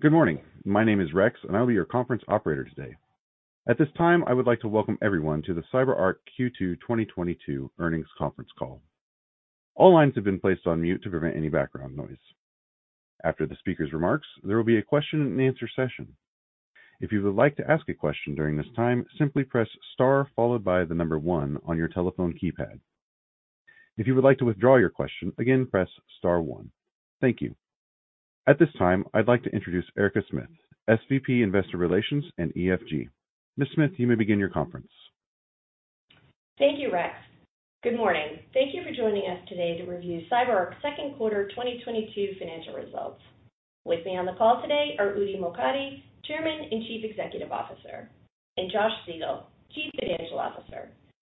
Good morning. My name is Rex, and I'll be your conference operator today. At this time, I would like to welcome everyone to the CyberArk Q2 2022 earnings conference call. All lines have been placed on mute to prevent any background noise. After the speaker's remarks, there will be a question-and-answer session. If you would like to ask a question during this time, simply press Star followed by the number one on your telephone keypad. If you would like to withdraw your question, again, press star one. Thank you. At this time, I'd like to introduce Erica Smith, SVP, investor relations and ESG. Ms. Smith, you may begin your conference. Thank you, Rex. Good morning. Thank you for joining us today to review CyberArk's second quarter 2022 financial results. With me on the call today are Udi Mokady, Chairman and Chief Executive Officer, and Josh Siegel, Chief Financial Officer.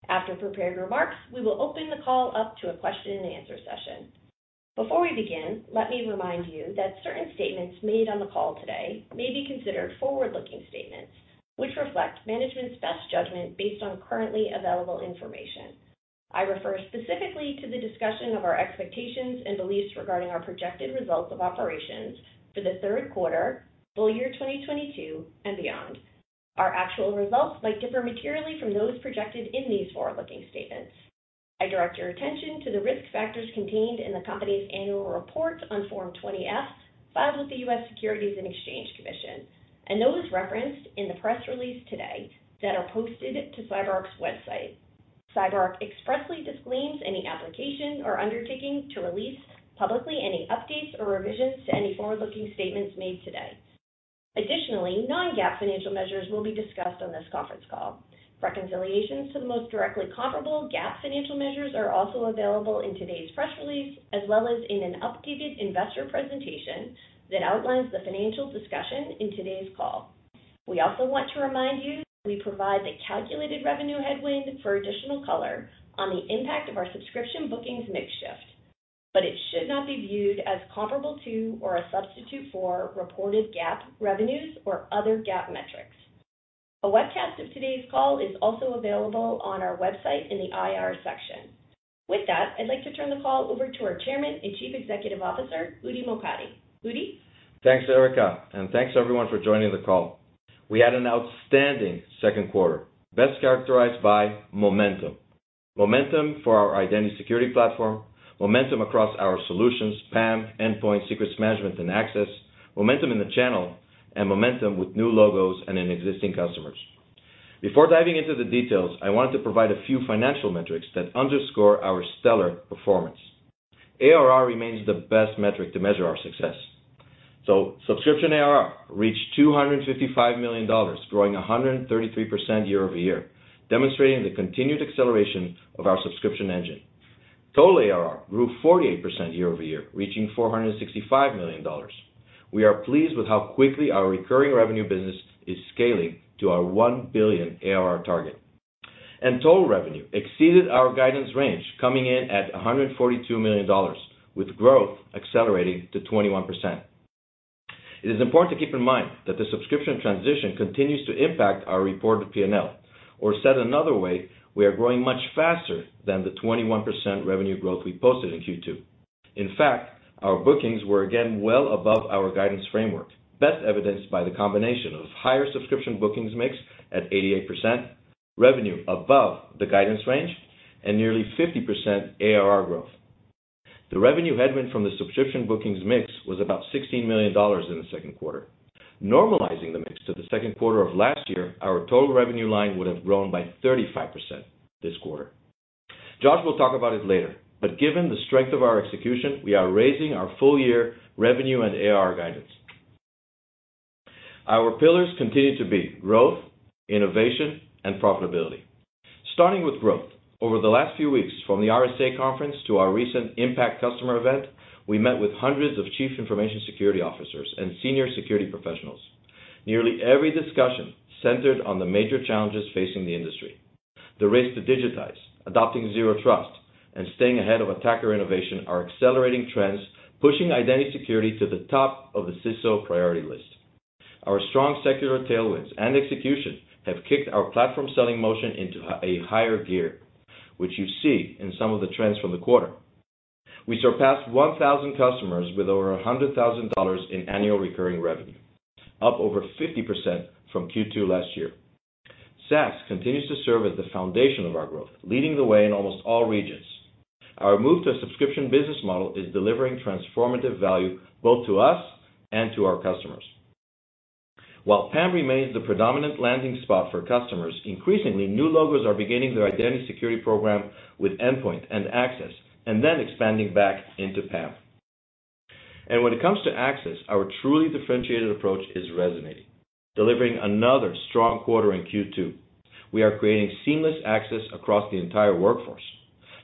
After prepared remarks, we will open the call up to a question and answer session. Before we begin, let me remind you that certain statements made on the call today may be considered forward-looking statements, which reflect management's best judgment based on currently available information. I refer specifically to the discussion of our expectations and beliefs regarding our projected results of operations for the third quarter, full year 2022 and beyond. Our actual results might differ materially from those projected in these forward-looking statements. I direct your attention to the risk factors contained in the company's annual report on Form 20-F, filed with the U.S. Securities and Exchange Commission, and those referenced in the press release today that are posted to CyberArk's website. CyberArk expressly disclaims any application or undertaking to release publicly any updates or revisions to any forward-looking statements made today. Additionally, non-GAAP financial measures will be discussed on this conference call. Reconciliations to the most directly comparable GAAP financial measures are also available in today's press release, as well as in an updated investor presentation that outlines the financial discussion in today's call. We also want to remind you that we provide the calculated revenue headwind for additional color on the impact of our subscription bookings mix shift, but it should not be viewed as comparable to or a substitute for reported GAAP revenues or other GAAP metrics. A webcast of today's call is also available on our website in the IR section. With that, I'd like to turn the call over to our Chairman and Chief Executive Officer, Udi Mokady. Udi? Thanks, Erica, and thanks everyone for joining the call. We had an outstanding second quarter, best characterized by momentum. Momentum for our identity security platform, momentum across our solutions, PAM, Endpoint, Secrets Management, and Access, momentum in the channel, and momentum with new logos and in existing customers. Before diving into the details, I wanted to provide a few financial metrics that underscore our stellar performance. ARR remains the best metric to measure our success. Subscription ARR reached $255 million, growing 133% year-over-year, demonstrating the continued acceleration of our subscription engine. Total ARR grew 48% year-over-year, reaching $465 million. We are pleased with how quickly our recurring revenue business is scaling to our $1 billion ARR target. Total revenue exceeded our guidance range coming in at $142 million, with growth accelerating to 21%. It is important to keep in mind that the subscription transition continues to impact our reported P&L, or said another way, we are growing much faster than the 21% revenue growth we posted in Q2. In fact, our bookings were again well above our guidance framework, best evidenced by the combination of higher subscription bookings mix at 88%, revenue above the guidance range, and nearly 50% ARR growth. The revenue headwind from the subscription bookings mix was about $16 million in the second quarter. Normalizing the mix to the second quarter of last year, our total revenue line would have grown by 35% this quarter. Josh will talk about it later, but given the strength of our execution, we are raising our full year revenue and ARR guidance. Our pillars continue to be growth, innovation, and profitability. Starting with growth. Over the last few weeks, from the RSA Conference to our recent IMPACT customer event, we met with hundreds of chief information security officers and senior security professionals. Nearly every discussion centered on the major challenges facing the industry. The race to digitize, adopting Zero Trust, and staying ahead of attacker innovation are accelerating trends, pushing identity security to the top of the CISO priority list. Our strong secular tailwinds and execution have kicked our platform selling motion into a higher gear, which you see in some of the trends from the quarter. We surpassed 1,000 customers with over $100,000 in annual recurring revenue, up over 50% from Q2 last year. SaaS continues to serve as the foundation of our growth, leading the way in almost all regions. Our move to a subscription business model is delivering transformative value both to us and to our customers. While PAM remains the predominant landing spot for customers, increasingly new logos are beginning their identity security program with endpoint and access, and then expanding back into PAM. When it comes to access, our truly differentiated approach is resonating, delivering another strong quarter in Q2. We are creating seamless access across the entire workforce.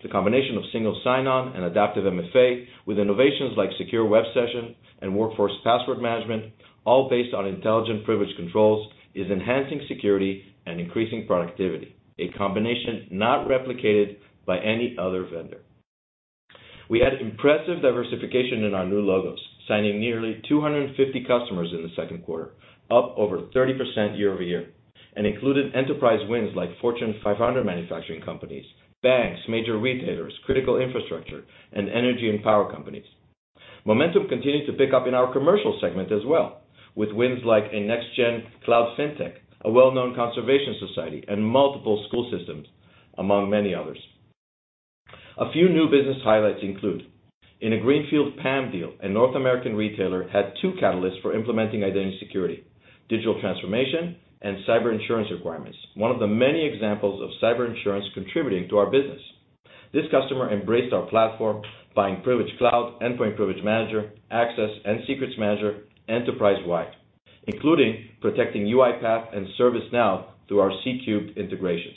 The combination of single sign-on and Adaptive MFA with innovations like Secure Web Sessions and Workforce Password Management, all based on intelligent privilege controls, is enhancing security and increasing productivity, a combination not replicated by any other vendor. We had impressive diversification in our new logos, signing nearly 250 customers in the second quarter, up over 30% year-over-year. Included enterprise wins like Fortune 500 manufacturing companies, banks, major retailers, critical infrastructure, and energy and power companies. Momentum continued to pick up in our commercial segment as well, with wins like a next-gen cloud fintech, a well-known conservation society, and multiple school systems, among many others. A few new business highlights include, in a greenfield PAM deal, a North American retailer had two catalysts for implementing identity security, digital transformation and cyber insurance requirements, one of the many examples of cyber insurance contributing to our business. This customer embraced our platform, buying Privileged Cloud, Endpoint Privilege Manager, Access, and Secrets Manager enterprise-wide, including protecting UiPath and ServiceNow through our C3 integrations.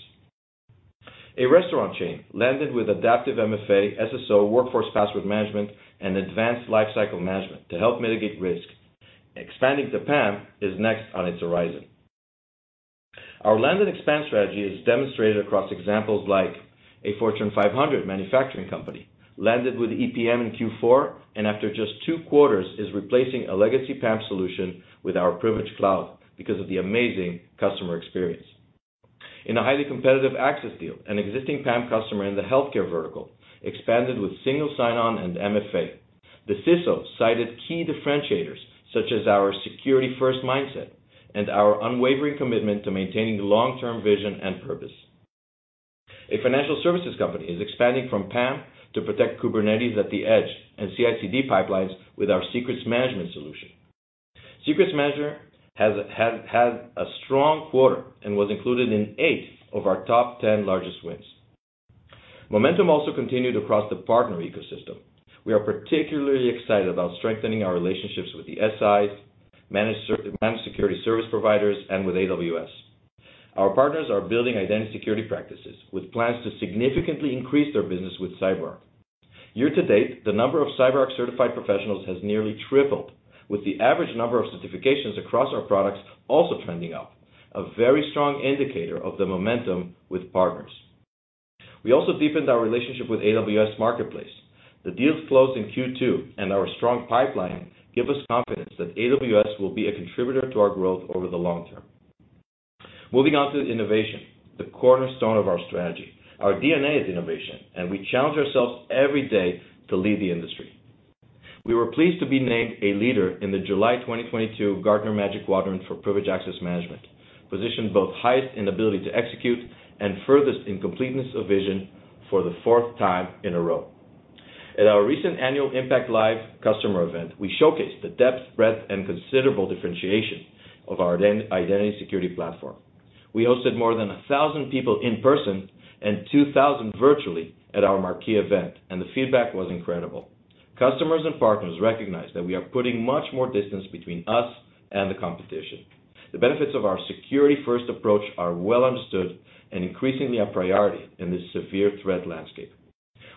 A restaurant chain landed with Adaptive MFA, SSO, Workforce Password Management, and Advanced Lifecycle Management to help mitigate risk. Expanding to PAM is next on its horizon. Our land and expand strategy is demonstrated across examples like a Fortune 500 manufacturing company landed with EPM in Q4, and after just two quarters is replacing a legacy PAM solution with our Privileged Cloud because of the amazing customer experience. In a highly competitive access deal, an existing PAM customer in the healthcare vertical expanded with single sign-on and MFA. The CISO cited key differentiators such as our security first mindset and our unwavering commitment to maintaining long-term vision and purpose. A financial services company is expanding from PAM to protect Kubernetes at the Edge and CICD pipelines with our Secrets Management solution. Secrets Manager had a strong quarter and was included in eight of our top 10 largest wins. Momentum also continued across the partner ecosystem. We are particularly excited about strengthening our relationships with the SIs, managed security service providers, and with AWS. Our partners are building identity security practices with plans to significantly increase their business with Cyber. Year-to-date, the number of CyberArk certified professionals has nearly tripled, with the average number of certifications across our products also trending up, a very strong indicator of the momentum with partners. We also deepened our relationship with AWS Marketplace. The deals closed in Q2, and our strong pipeline give us confidence that AWS will be a contributor to our growth over the long term. Moving on to innovation, the cornerstone of our strategy. Our DNA is innovation, and we challenge ourselves every day to lead the industry. We were pleased to be named a leader in the July 2022 Gartner Magic Quadrant for Privileged Access Management, positioned both highest in ability to execute and furthest in completeness of vision for the fourth time in a row. At our recent we showcased the depth, breadth, and considerable differentiation of our identity security platform. We hosted more than 1,000 people in person and 2,000 virtually at our marquee event, and the feedback was incredible. Customers and partners recognize that we are putting much more distance between us and the competition. The benefits of our security first approach are well understood and increasingly a priority in this severe threat landscape.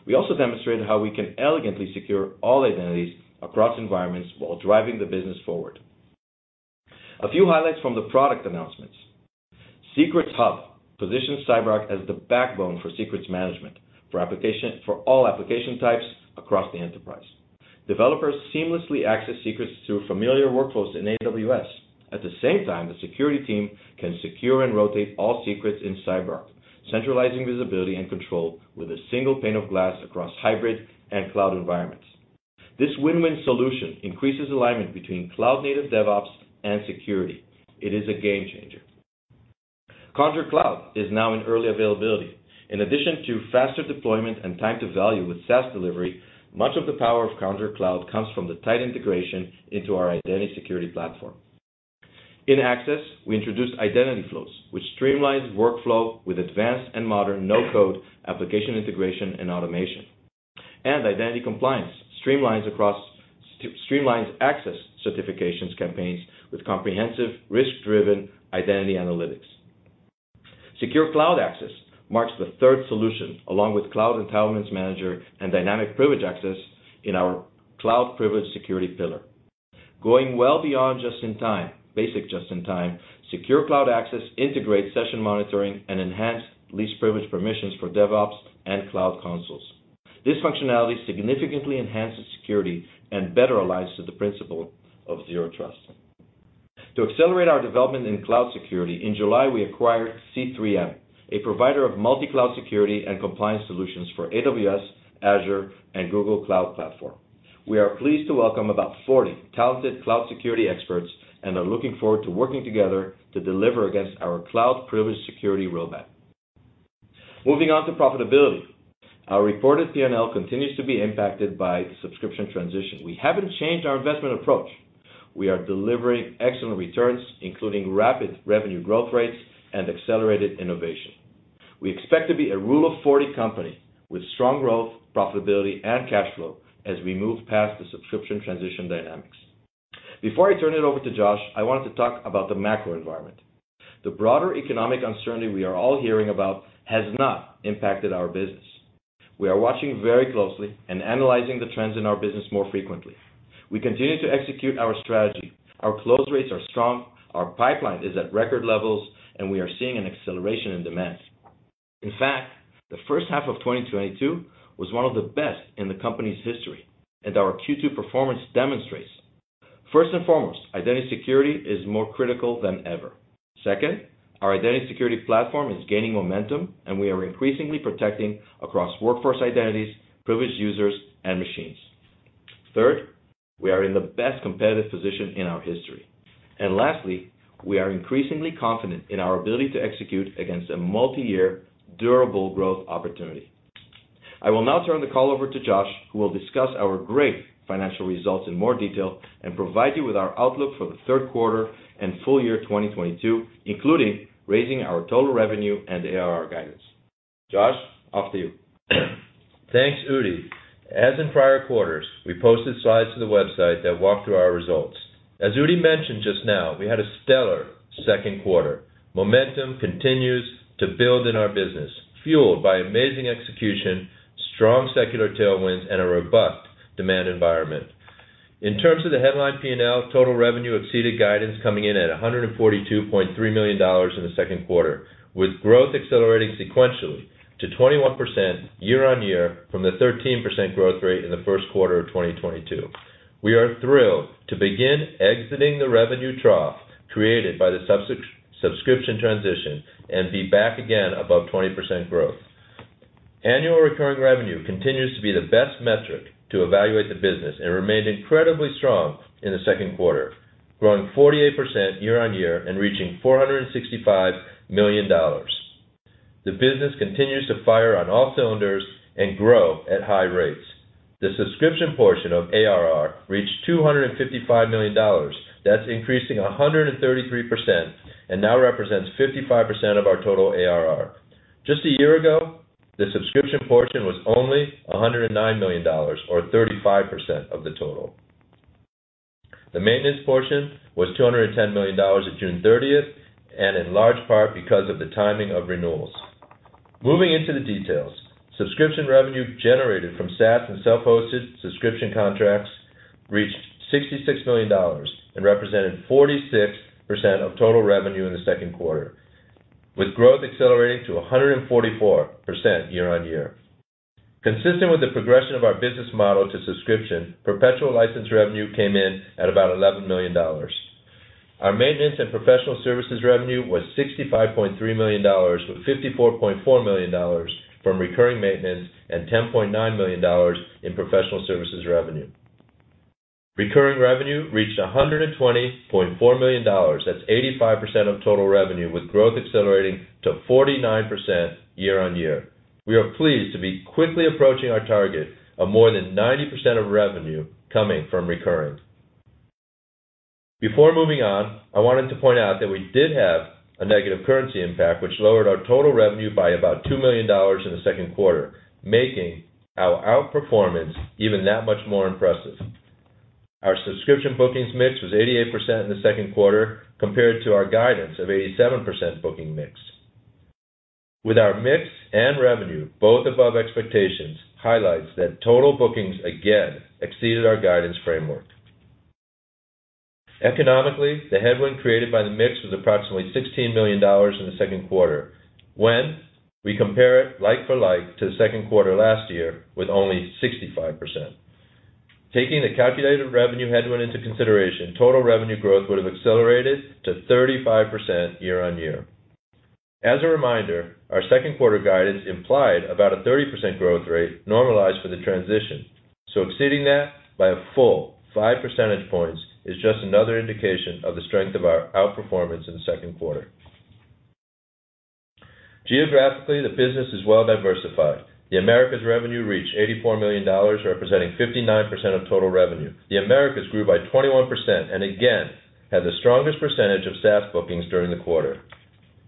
We also demonstrated how we can elegantly secure all identities across environments while driving the business forward. A few highlights from the product announcements. Secrets Hub positions CyberArk as the backbone for secrets management for all application types across the enterprise. Developers seamlessly access secrets through familiar workflows in AWS. At the same time, the security team can secure and rotate all secrets in CyberArk, centralizing visibility and control with a single pane of glass across hybrid and cloud environments. This win-win solution increases alignment between cloud native DevOps and security. It is a game changer. Conjur Cloud is now in early availability. In Access, we introduced Identity Flows, which streamlines workflow with advanced and modern no-code application integration and automation. Identity Compliance streamlines access certifications campaigns with comprehensive risk-driven identity analytics. Secure Cloud Access marks the third solution along with Cloud Entitlements Manager and Dynamic Privileged Access in our cloud privileged security pillar. Going well beyond just in time, basic just in time, Secure Cloud Access integrates session monitoring and enhanced least privileged permissions for DevOps and cloud consoles. This functionality significantly enhances security and better aligns to the principle of Zero Trust. To accelerate our development in cloud security, in July, we acquired C3M, a provider of multi-cloud security and compliance solutions for AWS, Azure, and Google Cloud Platform. We are pleased to welcome about 40 talented cloud security experts and are looking forward to working together to deliver against our cloud privileged security roadmap. Moving on to profitability. Our reported P&L continues to be impacted by subscription transition. We haven't changed our investment approach. We are delivering excellent returns, including rapid revenue growth rates and accelerated innovation. We expect to be a rule of 40 company with strong growth, profitability, and cash flow as we move past the subscription transition dynamics. Before I turn it over to Josh, I wanted to talk about the macro environment. The broader economic uncertainty we are all hearing about has not impacted our business. We are watching very closely and analyzing the trends in our business more frequently. We continue to execute our strategy. Our close rates are strong. Our pipeline is at record levels, and we are seeing an acceleration in demand. In fact, the first half of 2022 was one of the best in the company's history, and our Q2 performance demonstrates. First and foremost, identity security is more critical than ever. Second, our identity security platform is gaining momentum, and we are increasingly protecting across workforce identities, privileged users, and machines. Third, we are in the best competitive position in our history. Lastly, we are increasingly confident in our ability to execute against a multi-year durable growth opportunity. I will now turn the call over to Josh, who will discuss our great financial results in more detail and provide you with our outlook for the third quarter and full year 2022, including raising our total revenue and ARR guidance. Josh, off to you. Thanks, Udi. As in prior quarters, we posted slides to the website that walk through our results. As Udi mentioned just now, we had a stellar second quarter. Momentum continues to build in our business, fueled by amazing execution, strong secular tailwinds, and a robust demand environment. In terms of the headline P&L, total revenue exceeded guidance coming in at $142.3 million in the second quarter, with growth accelerating sequentially to 21% year-over-year from the 13% growth rate in the first quarter of 2022. We are thrilled to begin exiting the revenue trough created by the subscription transition and be back again above 20% growth. Annual recurring revenue continues to be the best metric to evaluate the business and remained incredibly strong in the second quarter, growing 48% year-over-year and reaching $465 million. The business continues to fire on all cylinders and grow at high rates. The subscription portion of ARR reached $255 million. That's increasing 133% and now represents 55% of our total ARR. Just a year ago, the subscription portion was only $109 million, or 35% of the total. The maintenance portion was $210 million at June 30th, and in large part because of the timing of renewals. Moving into the details, subscription revenue generated from SaaS and self-hosted subscription contracts reached $66 million and represented 46% of total revenue in the second quarter, with growth accelerating to 144% year-on-year. Consistent with the progression of our business model to subscription, perpetual license revenue came in at about $11 million. Our maintenance and professional services revenue was $65.3 million, with $54.4 million from recurring maintenance and $10.9 million in professional services revenue. Recurring revenue reached $120.4 million. That's 85% of total revenue, with growth accelerating to 49% year-on-year. We are pleased to be quickly approaching our target of more than 90% of revenue coming from recurring. Before moving on, I wanted to point out that we did have a negative currency impact, which lowered our total revenue by about $2 million in the second quarter, making our outperformance even that much more impressive. Our subscription bookings mix was 88% in the second quarter compared to our guidance of 87% booking mix. With our mix and revenue both above expectations, highlights that total bookings again exceeded our guidance framework. Economically, the headwind created by the mix was approximately $16 million in the second quarter when we compare it like-for-like to the second quarter last year with only 65%. Taking the calculated revenue headwind into consideration, total revenue growth would have accelerated to 35% year-on-year. As a reminder, our second quarter guidance implied about a 30% growth rate normalized for the transition. Exceeding that by a full five percentage points is just another indication of the strength of our outperformance in the second quarter. Geographically, the business is well-diversified. The Americas revenue reached $84 million, representing 59% of total revenue. The Americas grew by 21% and again, had the strongest percentage of SaaS bookings during the quarter.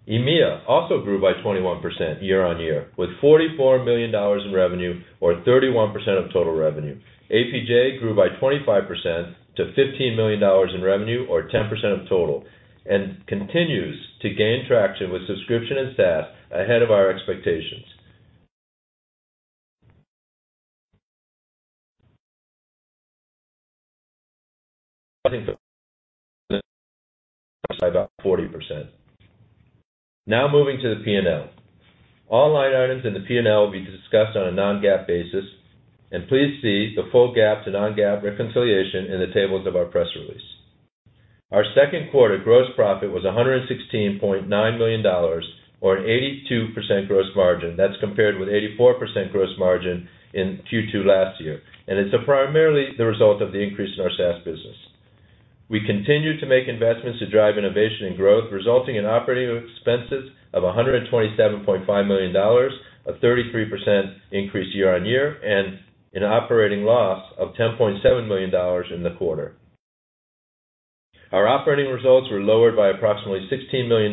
EMEA also grew by 21% year-on-year, with $44 million in revenue or 31% of total revenue. APJ grew by 25% to $15 million in revenue or 10% of total and continues to gain traction with subscription and SaaS ahead of our expectations. Nothing for about 40%. Now moving to the P&L. All line items in the P&L will be discussed on a non-GAAP basis, and please see the full GAAP to non-GAAP reconciliation in the tables of our press release. Our second quarter gross profit was $116.9 million or an 82% gross margin. That's compared with 84% gross margin in Q2 last year. It's primarily the result of the increase in our SaaS business. We continued to make investments to drive innovation and growth, resulting in operating expenses of $127.5 million, a 33% increase year-on-year, and an operating loss of $10.7 million in the quarter. Our operating results were lowered by approximately $16 million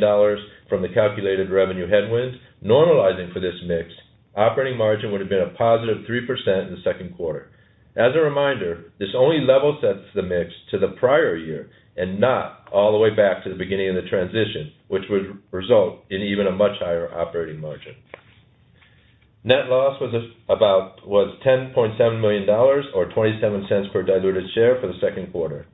from the calculated revenue headwind. Normalizing for this mix, operating margin would have been a positive 3% in the second quarter. As a reminder, this only level sets the mix to the prior year and not all the way back to the beginning of the transition, which would result in even a much higher operating margin. Net loss was about $10.7 million or $0.27 per diluted share for the second quarter.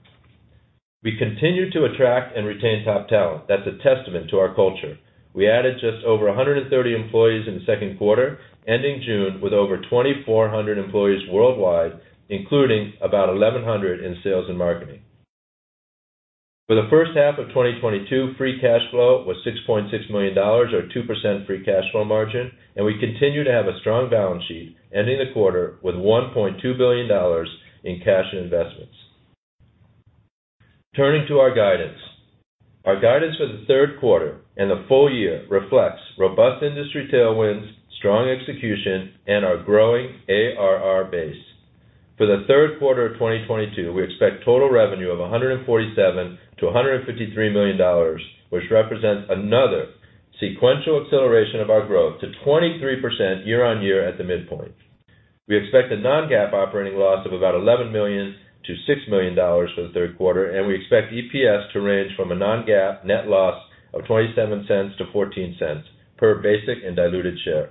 We continue to attract and retain top talent. That's a testament to our culture. We added just over 130 employees in the second quarter, ending June with over 2,400 employees worldwide, including about 1,100 in sales and marketing. For the first half of 2022, free cash flow was $6.6 million or 2% free cash flow margin, and we continue to have a strong balance sheet, ending the quarter with $1.2 billion in cash and investments. Turning to our guidance. Our guidance for the third quarter and the full year reflects robust industry tailwinds, strong execution, and our growing ARR base. For the third quarter of 2022, we expect total revenue of $147 million-$153 million, which represents another sequential acceleration of our growth to 23% year-over-year at the midpoint. We expect a non-GAAP operating loss of about $11 million-$6 million for the third quarter, and we expect EPS to range from a non-GAAP net loss of $0.27-$0.14 per basic and diluted share.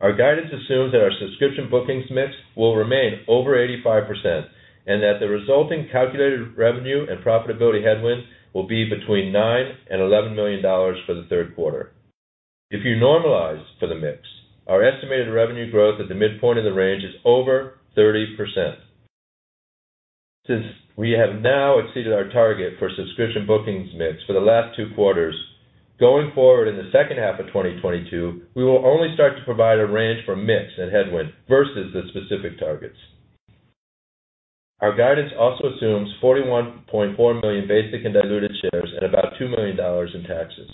Our guidance assumes that our subscription bookings mix will remain over 85%, and that the resulting calculated revenue and profitability headwind will be between $9 million and $11 million for the third quarter. If you normalize for the mix, our estimated revenue growth at the midpoint of the range is over 30%. Since we have now exceeded our target for subscription bookings mix for the last two quarters, going forward in the second half of 2022, we will only start to provide a range for mix and headwind versus the specific targets. Our guidance also assumes 41.4 million basic and diluted shares and about $2 million in taxes.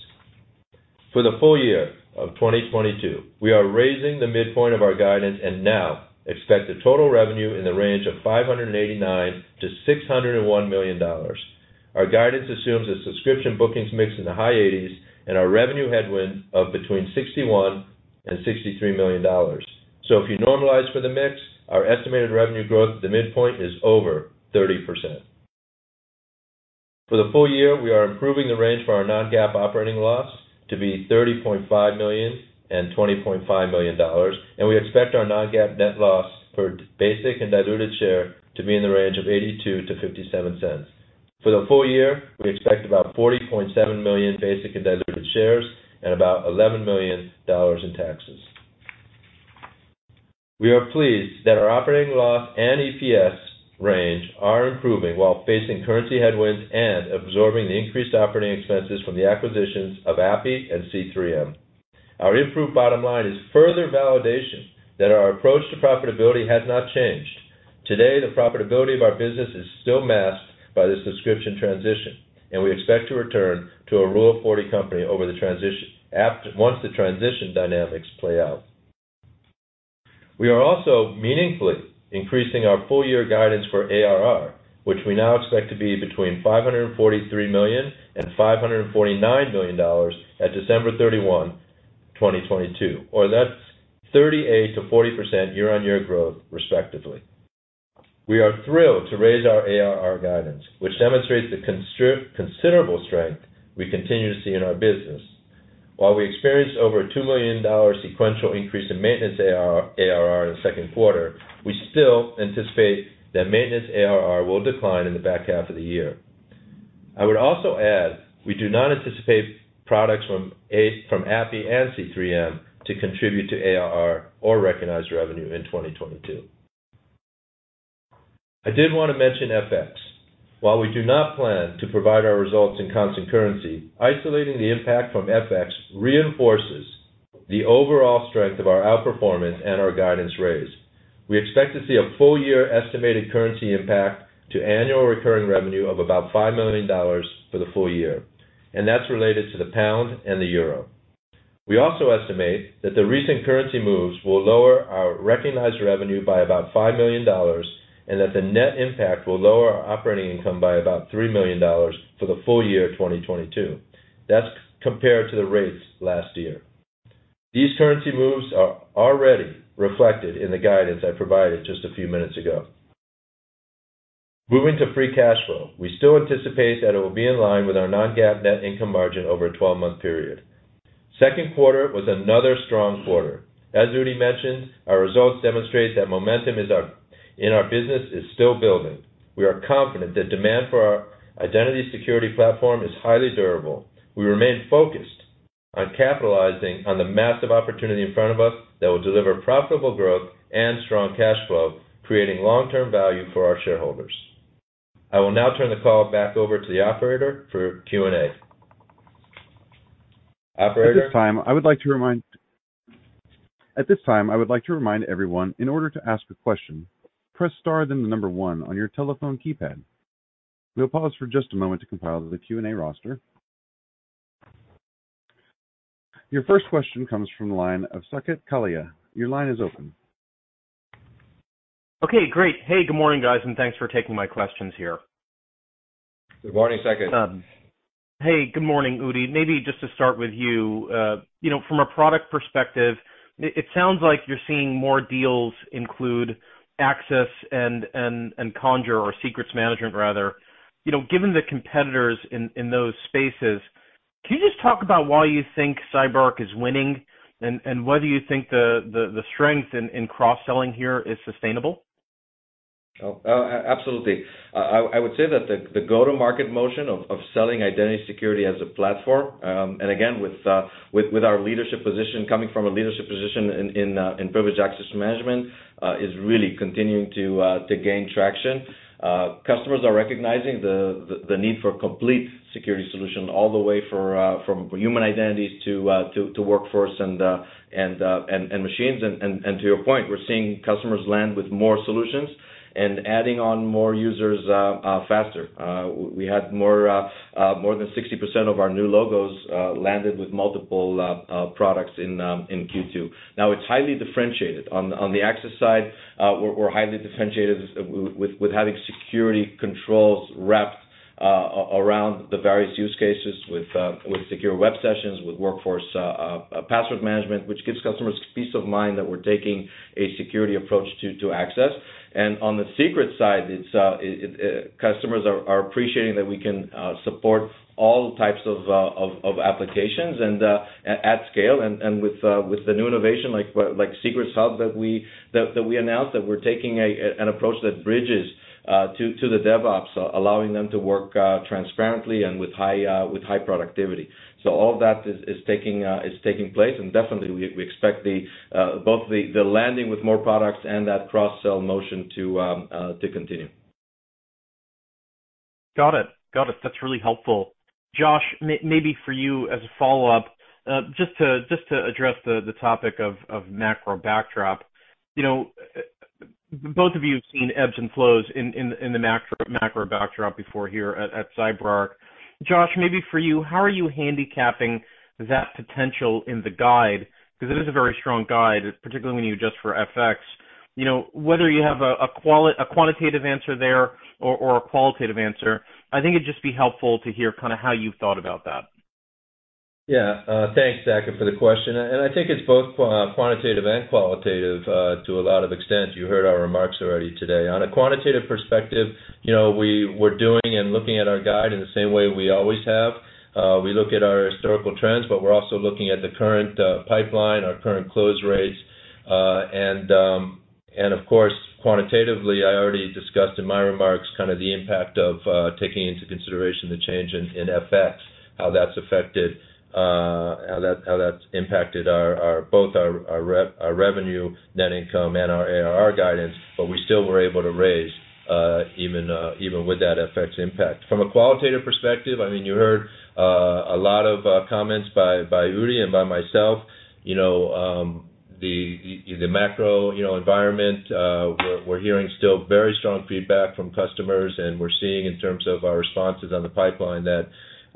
For the full year of 2022, we are raising the midpoint of our guidance and now expect the total revenue in the range of $589 million-$601 million. Our guidance assumes a subscription bookings mix in the high 80s and our revenue headwind of between $61 million and $63 million. If you normalize for the mix, our estimated revenue growth at the midpoint is over 30%. For the full year, we are improving the range for our non-GAAP operating loss to be $30.5 million and $20.5 million, and we expect our non-GAAP net loss per basic and diluted share to be in the range of $0.82-$0.57. For the full year, we expect about 40.7 million basic and diluted shares and about $11 million in taxes. We are pleased that our operating loss and EPS range are improving while facing currency headwinds and absorbing the increased operating expenses from the acquisitions of Aapi.io and C3M. Our improved bottom line is further validation that our approach to profitability has not changed. Today, the profitability of our business is still masked by the subscription transition, and we expect to return to a Rule of 40 company over the transition once the transition dynamics play out. We are also meaningfully increasing our full year guidance for ARR, which we now expect to be between $543 million and $549 million at December 31, 2022, or that's 38%-40% year-over-year growth respectively. We are thrilled to raise our ARR guidance, which demonstrates the considerable strength we continue to see in our business. While we experienced over $2 million sequential increase in maintenance ARR in the second quarter, we still anticipate that maintenance ARR will decline in the back half of the year. I would also add, we do not anticipate products from Aapi.io and C3M to contribute to ARR or recognized revenue in 2022. I did want to mention FX. While we do not plan to provide our results in constant currency, isolating the impact from FX reinforces the overall strength of our outperformance and our guidance raise. We expect to see a full year estimated currency impact to annual recurring revenue of about $5 million for the full year, and that's related to the pound and the euro. We also estimate that the recent currency moves will lower our recognized revenue by about $5 million and that the net impact will lower our operating income by about $3 million for the full year of 2022. That's compared to the rates last year. These currency moves are already reflected in the guidance I provided just a few minutes ago. Moving to free cash flow. We still anticipate that it will be in line with our non-GAAP net income margin over a 12-month period. Second quarter was another strong quarter. As Udi mentioned, our results demonstrate that momentum in our business is still building. We are confident that demand for our identity security platform is highly durable. We remain focused on capitalizing on the massive opportunity in front of us that will deliver profitable growth and strong cash flow, creating long-term value for our shareholders. I will now turn the call back over to the operator for Q&A. Operator? At this time, I would like to remind everyone, in order to ask a question, press star then the number one on your telephone keypad. We'll pause for just a moment to compile the Q&A roster. Your first question comes from the line of Saket Kalia. Your line is open. Okay, great. Hey, good morning, guys, and thanks for taking my questions here. Good morning, Saket. Hey, good morning, Udi. Maybe just to start with you. You know, from a product perspective, it sounds like you're seeing more deals include access and Conjur or secrets management rather. You know, given the competitors in those spaces. Can you just talk about why you think CyberArk is winning and whether you think the strength in cross-selling here is sustainable? Absolutely. I would say that the go-to-market motion of selling identity security as a platform, and again, with our leadership position coming from a leadership position in privileged access management, is really continuing to gain traction. Customers are recognizing the need for a complete security solution all the way from human identities to workforce and machines. To your point, we're seeing customers land with more solutions and adding on more users faster. We had more than 60% of our new logos landed with multiple products in Q2. Now it's highly differentiated. On the access side, we're highly differentiated with having security controls wrapped around the various use cases with Secure Web Sessions, with Workforce Password Management, which gives customers peace of mind that we're taking a security approach to access. On the secret side, customers are appreciating that we can support all types of applications and at scale and with the new innovation like Secrets Hub that we announced, that we're taking an approach that bridges to the DevOps, allowing them to work transparently and with high productivity. All of that is taking place. Definitely we expect both the landing with more products and that cross-sell motion to continue. Got it. That's really helpful. Josh, maybe for you as a follow-up, just to address the topic of macro backdrop, you know, both of you have seen ebbs and flows in the macro backdrop before here at CyberArk. Josh, maybe for you, how are you handicapping that potential in the guide? 'Cause it is a very strong guide, particularly when you adjust for FX. You know, whether you have a quantitative answer there or a qualitative answer, I think it'd just be helpful to hear kinda how you thought about that. Yeah. Thanks, Saket, for the question. I think it's both quantitative and qualitative, to a lot of extent. You heard our remarks already today. On a quantitative perspective, you know, we're doing and looking at our guide in the same way we always have. We look at our historical trends, but we're also looking at the current pipeline, our current close rates. Of course, quantitatively, I already discussed in my remarks kind of the impact of taking into consideration the change in FX, how that's impacted our revenue, net income, and our ARR guidance. We still were able to raise even with that FX impact. From a qualitative perspective, I mean, you heard a lot of comments by Udi and by myself. You know, the macro environment, you know, we're hearing still very strong feedback from customers, and we're seeing in terms of our responses on the pipeline that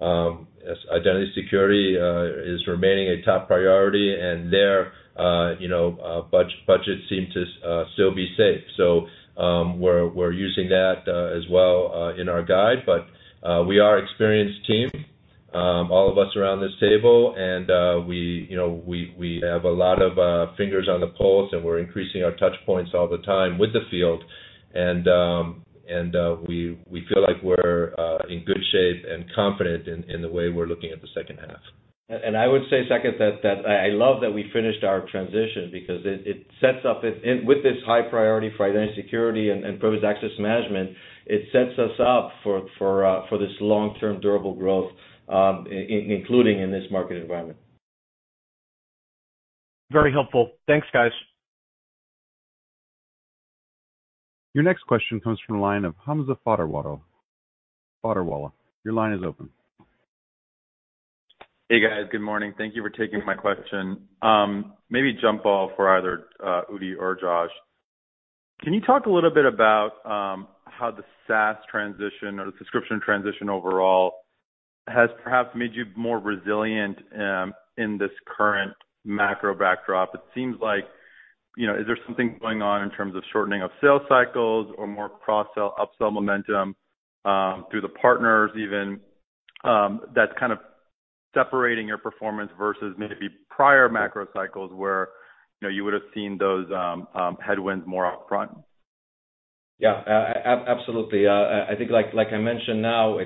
as identity security is remaining a top priority. Their budget seems to still be safe. We're using that as well in our guide. We are experienced team, all of us around this table and we have a lot of fingers on the pulse, and we're increasing our touchpoints all the time with the field. We feel like we're in good shape and confident in the way we're looking at the second half. I would say, Saket, that I love that we finished our transition because it sets up with this high priority for identity security and privileged access management. It sets us up for this long-term durable growth, including in this market environment. Very helpful. Thanks, guys. Your next question comes from the line of Hamza Fodderwala. Your line is open. Hey, guys. Good morning. Thank you for taking my question. Maybe jump in for either Udi or Josh. Can you talk a little bit about how the SaaS transition or the subscription transition overall has perhaps made you more resilient in this current macro backdrop? It seems like, you know, is there something going on in terms of shortening of sales cycles or more cross-sell, up-sell momentum through the partners even that's kind of separating your performance versus maybe prior macro cycles where, you know, you would have seen those headwinds more upfront? Absolutely. I think like I mentioned now,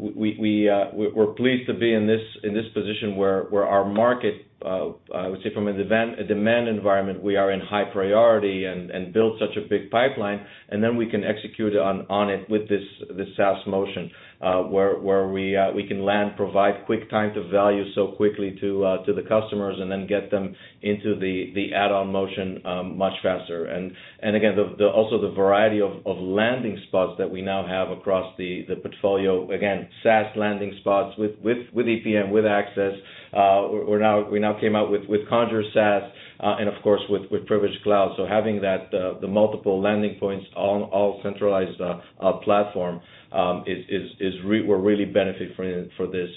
we're pleased to be in this position where our market I would say from a demand environment, we are in high priority and build such a big pipeline, and then we can execute on it with this SaaS motion, where we can land, provide quick time to value so quickly to the customers and then get them into the add-on motion much faster. Also the variety of landing spots that we now have across the portfolio, again SaaS landing spots with EPM, with access, we now came out with Conjur SaaS, and of course, with Privileged Cloud. Having that, the multiple landing points on all centralized platform, we're really benefiting from this,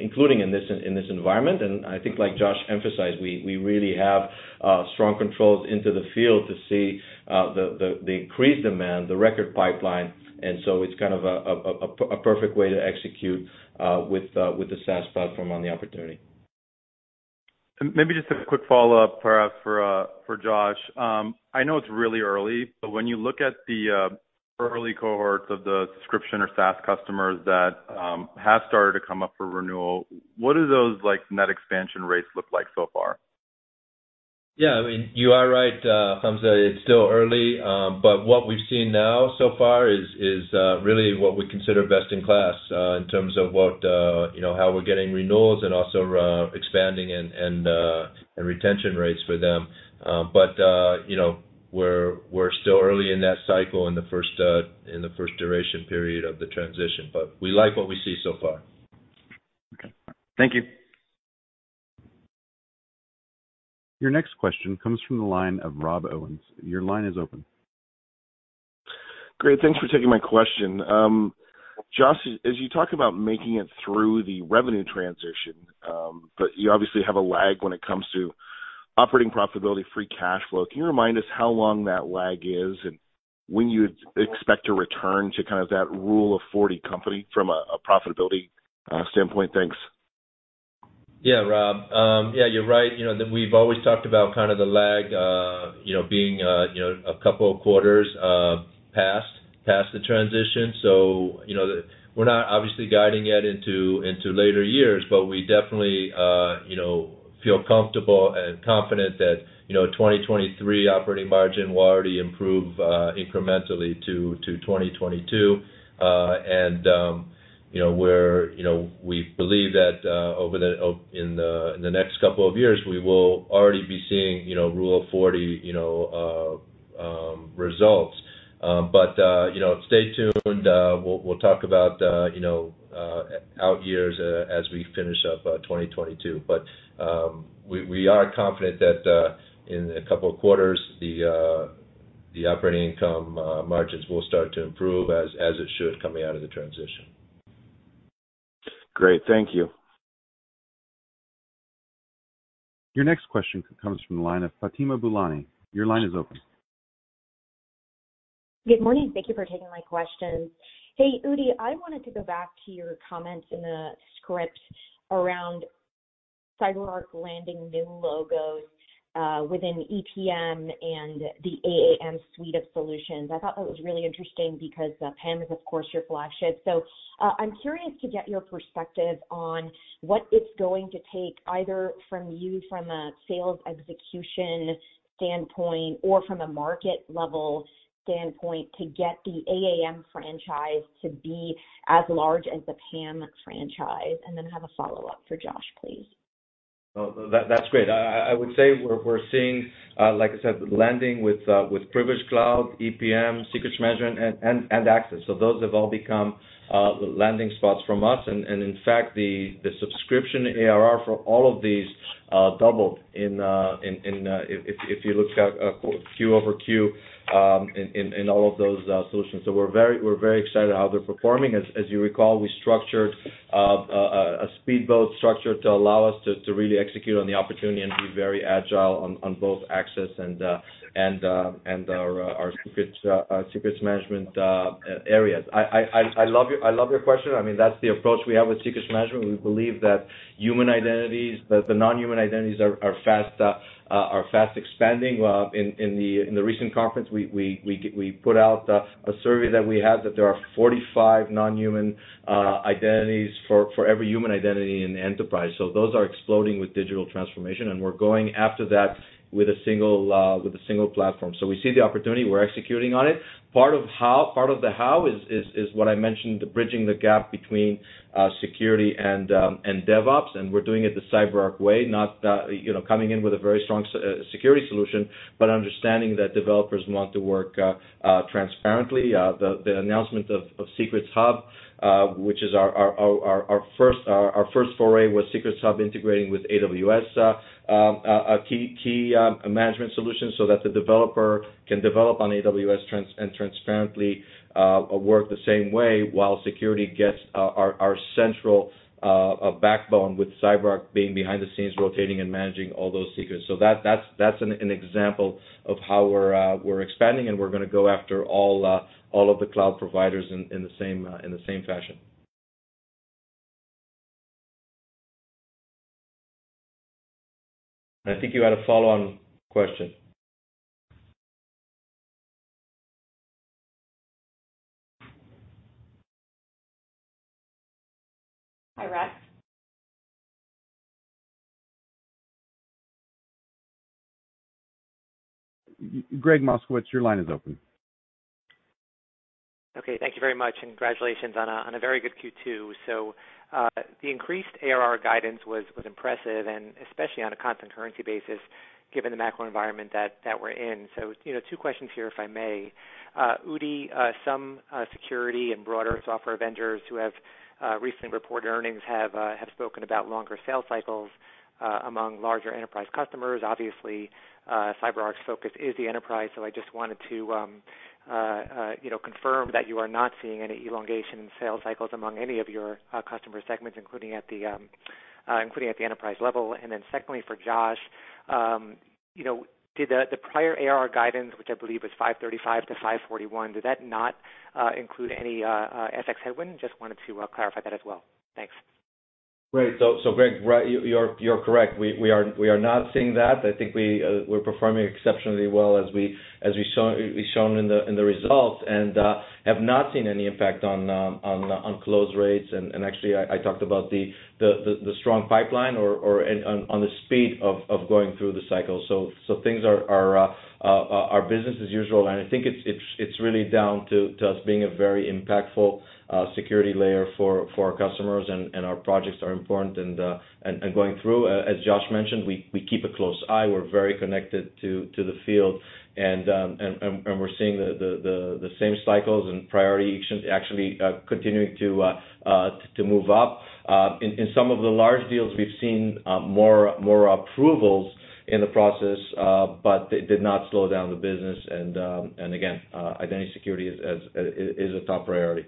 including in this environment. I think like Josh emphasized, we really have strong controls into the field to see the increased demand, the record pipeline. It's kind of a perfect way to execute with the SaaS platform on the opportunity. Maybe just a quick follow-up for Josh. I know it's really early, but when you look at the early cohorts of the subscription or SaaS customers that have started to come up for renewal, what do those like net expansion rates look like so far? Yeah. I mean, you are right, Hamza, it's still early. What we've seen now so far is really what we consider best in class, in terms of what, you know, how we're getting renewals and also, expanding and retention rates for them. You know, we're still early in that cycle in the first duration period of the transition, but we like what we see so far. Okay. Thank you. Your next question comes from the line of Rob Owens. Your line is open. Great. Thanks for taking my question. Josh, as you talk about making it through the revenue transition, but you obviously have a lag when it comes to operating profitability, free cash flow. Can you remind us how long that lag is and when you'd expect to return to kind of that Rule of 40 company from a profitability standpoint? Thanks. Yeah, Rob. Yeah, you're right. You know, we've always talked about kind of the lag, you know, being a couple of quarters past the transition. We're not obviously guiding yet into later years, but we definitely feel comfortable and confident that 2023 operating margin will already improve incrementally to 2022. You know, we believe that over the next couple of years, we will already be seeing Rule of 40 results. But you know, stay tuned. We'll talk about out years as we finish up 2022. We are confident that in a couple of quarters the operating income margins will start to improve as it should coming out of the transition. Great. Thank you. Your next question comes from the line of Fatima Boolani. Your line is open. Good morning. Thank you for taking my questions. Hey, Udi, I wanted to go back to your comments in the script around CyberArk landing new logos within EPM and the AAM suite of solutions. I thought that was really interesting because PAM is, of course, your flagship. I'm curious to get your perspective on what it's going to take, either from you a sales execution standpoint or from a market level standpoint, to get the AAM franchise to be as large as the PAM franchise, and then have a follow up for Josh, please. No, that's great. I would say we're seeing, like I said, landing with Privileged Cloud, EPM, Secrets Management, and Access. Those have all become landing spots from us. In fact, the subscription ARR for all of these doubled quarter-over-quarter, if you looked at all of those solutions. We're very excited how they're performing. As you recall, we structured a speedboat structure to allow us to really execute on the opportunity and be very agile on both access and our secrets management areas. I love your question. I mean, that's the approach we have with Secrets Management. We believe that human identities, that the non-human identities are fast expanding. In the recent conference, we put out a survey that we had, that there are 45 non-human identities for every human identity in the enterprise. Those are exploding with digital transformation, and we're going after that with a single platform. We see the opportunity. We're executing on it. Part of the how is what I mentioned, the bridging the gap between security and DevOps, and we're doing it the CyberArk way, not you know, coming in with a very strong security solution, but understanding that developers want to work transparently. The announcement of Secrets Hub, which is our first foray with Secrets Hub integrating with AWS, a key management solution so that the developer can develop on AWS transparently, work the same way while security gets our central backbone with CyberArk being behind the scenes, rotating and managing all those secrets. That's an example of how we're expanding, and we're gonna go after all of the cloud providers in the same fashion. I think you had a follow-on question. All right. Gregg Moskowitz, your line is open. Okay, thank you very much, and congratulations on a very good Q2. The increased ARR guidance was impressive and especially on a constant currency basis, given the macro environment that we're in. You know, two questions here, if I may. Udi, some security and broader software vendors who have recently reported earnings have spoken about longer sales cycles among larger enterprise customers. Obviously, CyberArk's focus is the enterprise, so I just wanted to, you know, confirm that you are not seeing any elongation in sales cycles among any of your customer segments, including at the enterprise level. Secondly, for Josh, you know, did the prior ARR guidance, which I believe was $535-$541, did that not include any FX headwind? Just wanted to clarify that as well. Thanks. Right. Gregg, you're correct. We are not seeing that. I think we're performing exceptionally well as we've shown in the results and have not seen any effect on close rates. Actually I talked about the strong pipeline and on the speed of going through the cycle. Things are business as usual. I think it's really down to us being a very impactful security layer for our customers and our projects are important and going through. As Josh mentioned, we keep a close eye. We're very connected to the field. We're seeing the same cycles and prioritization actually continuing to move up. In some of the large deals we've seen, more approvals in the process, but it did not slow down the business. Identity security is a top priority.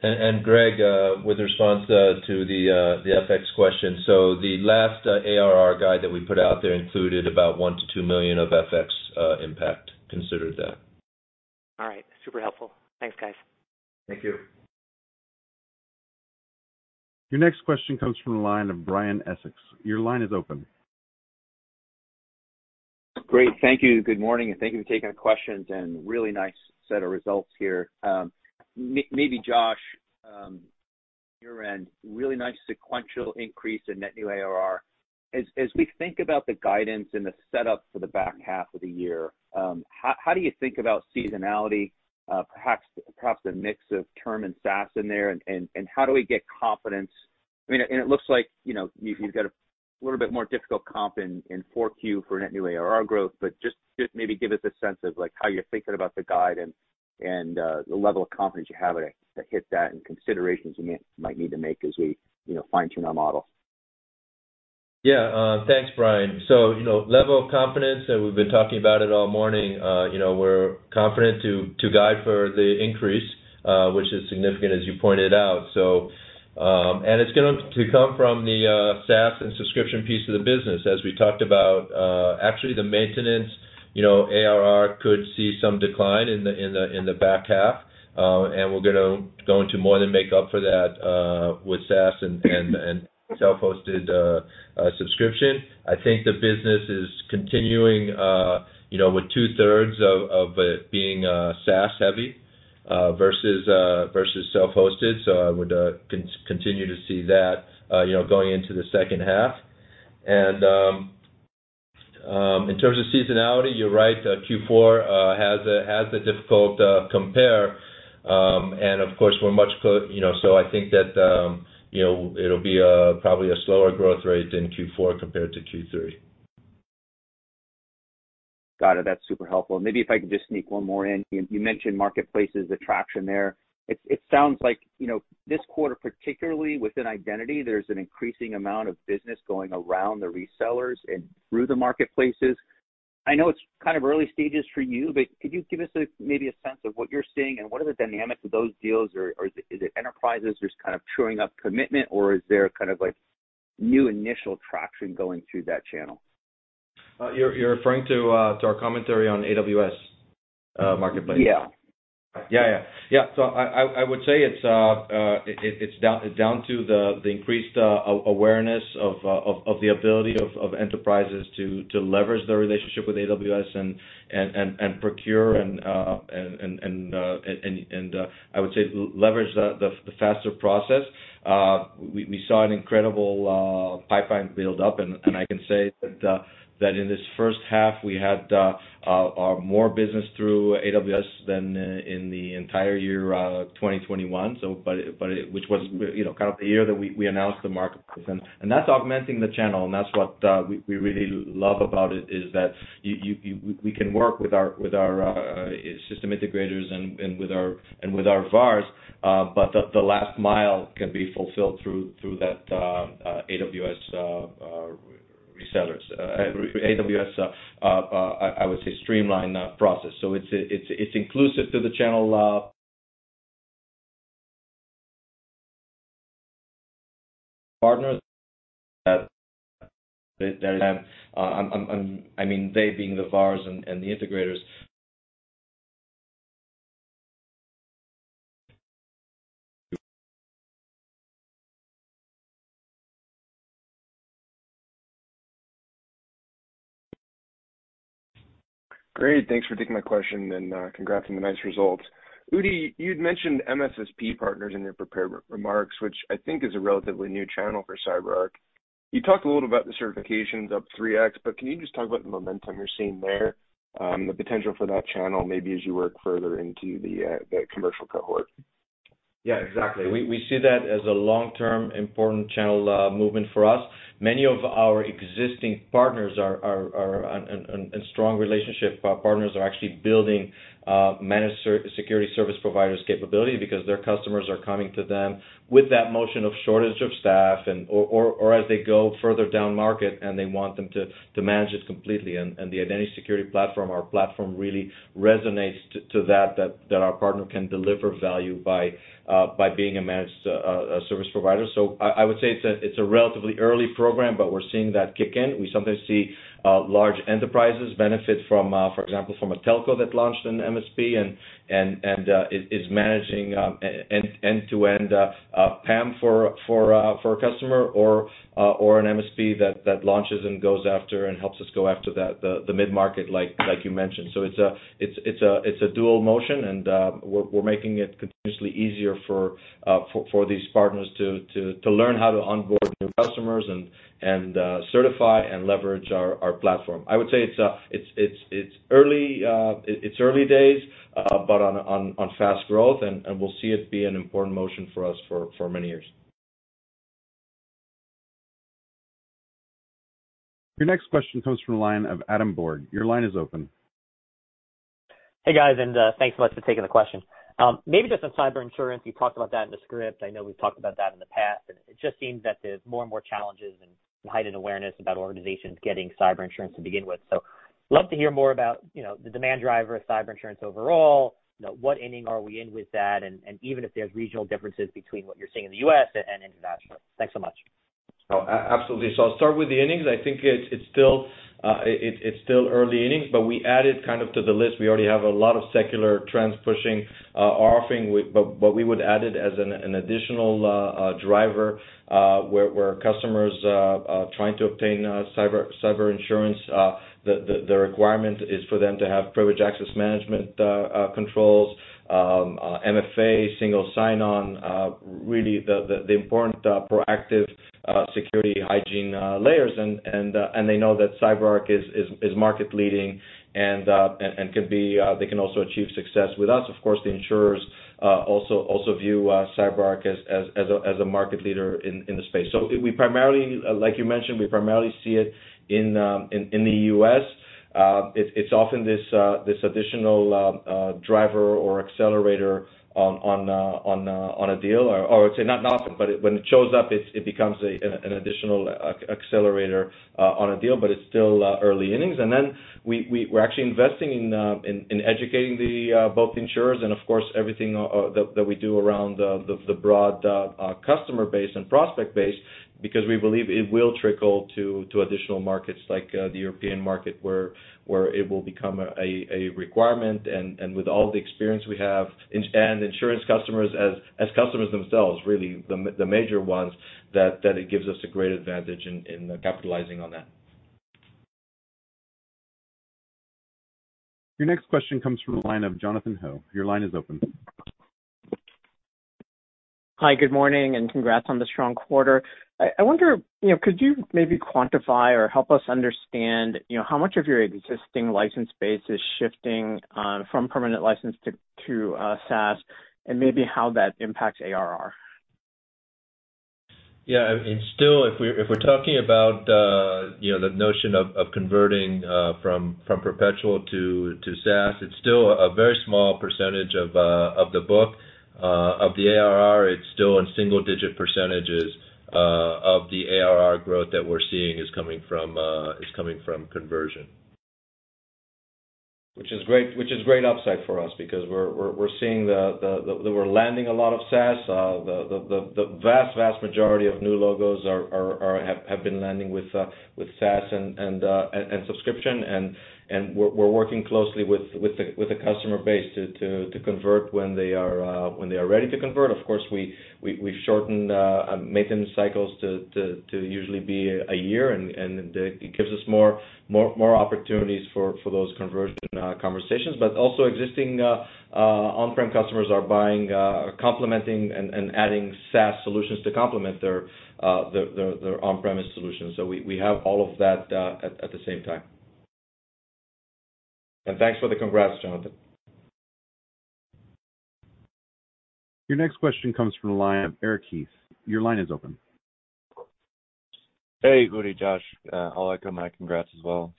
Gregg, in response to the FX question. The last ARR guide that we put out there included about $1 million-$2 million of FX impact. Consider that. All right. Super helpful. Thanks, guys. Thank you. Your next question comes from the line of Brian Essex. Your line is open. Great. Thank you. Good morning and thank you for taking the questions and really nice set of results here. Maybe Josh, on your end, really nice sequential increase in net new ARR. As we think about the guidance and the setup for the back half of the year, how do you think about seasonality, perhaps the mix of term and SaaS in there, and how do we get confidence? I mean, it looks like, you know, you've got a little bit more difficult comp in 4Q for net new ARR growth, but just maybe give us a sense of like how you're thinking about the guide and the level of confidence you have to hit that and considerations you might need to make as we, you know, fine-tune our model. Yeah. Thanks, Brian. You know, level of confidence, and we've been talking about it all morning, you know, we're confident to guide for the increase, which is significant as you pointed out. And it's going to come from the SaaS and subscription piece of the business. As we talked about, actually the maintenance, you know, ARR could see some decline in the back half. And we're gonna go into more than make up for that with SaaS and self-hosted subscription. I think the business is continuing, you know, with two-thirds of it being SaaS heavy versus self-hosted. I would continue to see that, you know, going into the second half. In terms of seasonality, you're right, Q4 has a difficult compare. Of course, you know, so I think that, you know, it'll be a probably a slower growth rate in Q4 compared to Q3. Got it. That's super helpful. Maybe if I can just sneak one more in. You mentioned marketplaces, the traction there. It sounds like, you know, this quarter, particularly within identity, there's an increasing amount of business going around the resellers and through the marketplaces. I know it's kind of early stages for you, but could you give us maybe a sense of what you're seeing and what are the dynamics of those deals or is it enterprises just kind of chewing up commitment or is there kind of like new initial traction going through that channel? You're referring to our commentary on AWS Marketplace? Yeah. I would say it's down to the increased awareness of the ability of enterprises to leverage their relationship with AWS and procure and leverage the faster process. We saw an incredible pipeline build up, and I can say that in this first half we had more business through AWS than in the entire year 2021, which was, you know, kind of the year that we announced the marketplace. That's augmenting the channel and that's what we really love about it, is that we can work with our system integrators and with our VARs, but the last mile can be fulfilled through that AWS resellers, AWS streamlined process. It's inclusive to the channel partners that I mean they being the VARs and the integrators. Great. Thanks for taking my question and, congrats on the nice results. Udi, you'd mentioned MSSP partners in your prepared remarks, which I think is a relatively new channel for CyberArk. You talked a little about the certifications up 3x, but can you just talk about the momentum you're seeing there, the potential for that channel maybe as you work further into the, that commercial cohort? Yeah, exactly. We see that as a long-term important channel movement for us. Many of our existing partners and strong relationship partners are actually building managed security service providers capability because their customers are coming to them with that motion of shortage of staff and/or as they go further down market and they want them to manage it completely. The Identity Security Platform, our platform really resonates to that our partner can deliver value by being a managed service provider. I would say it's a relatively early program, but we're seeing that kick in. We sometimes see large enterprises benefit from, for example, from a telco that launched an MSP and is managing end-to-end PAM for a customer or an MSP that launches and goes after and helps us go after the mid-market like you mentioned. It's a dual motion and we're making it continuously easier for these partners to learn how to onboard new customers and certify and leverage our platform. I would say it's early days, but on fast growth and we'll see it be an important motion for us for many years. Your next question comes from the line of Adam Borg. Your line is open. Hey, guys, and thanks so much for taking the question. Maybe just on cyber insurance, you talked about that in the script. I know we've talked about that in the past, and it just seems that there's more and more challenges and heightened awareness about organizations getting cyber insurance to begin with. Love to hear more about, you know, the demand driver of cyber insurance overall, you know, what inning are we in with that, and even if there's regional differences between what you're seeing in the U.S. and international. Thanks so much. Oh, absolutely. I'll start with the innings. I think it's still early innings, but we added kind of to the list. We already have a lot of secular trends, but we would add it as an additional driver where customers trying to obtain cyber insurance. The requirement is for them to have privileged access management controls, MFA, single sign-on, really the important proactive security hygiene layers. They know that CyberArk is market leading and they can also achieve success with us. Of course, the insurers also view CyberArk as a market leader in the space. We primarily, like you mentioned, see it in the U.S. It's often this additional driver or accelerator on a deal or I'd say not often, but when it shows up, it becomes an additional accelerator on a deal, but it's still early innings. We're actually investing in educating both insurers and of course everything that we do around the broad customer base and prospect base because we believe it will trickle to additional markets like the European market where it will become a requirement. With all the experience we have with insurance customers as customers themselves, really the major ones, that it gives us a great advantage in capitalizing on that. Your next question comes from the line of Jonathan Ho. Your line is open. Hi, good morning, and congrats on the strong quarter. I wonder, you know, could you maybe quantify or help us understand, you know, how much of your existing license base is shifting from permanent license to SaaS and maybe how that impacts ARR? Yeah. It's still, if we're talking about, you know, the notion of converting from perpetual to SaaS, it's still a very small percentage of the book. Of the ARR, it's still in single-digit percentages of the ARR growth that we're seeing is coming from conversion. Which is great upside for us because we're landing a lot of SaaS. The vast majority of new logos have been landing with SaaS and subscription. We're working closely with the customer base to convert when they are ready to convert. Of course, we've shortened maintenance cycles to usually be a year, and it gives us more opportunities for those conversion conversations. But also existing on-prem customers are buying complementing and adding SaaS solutions to complement their on-premise solutions. So we have all of that at the same time. Thanks for the congrats, Jonathan. Your next question comes from the line of Eric Heath. Your line is open. Hey, Udi, Josh. I'll echo my congrats as well.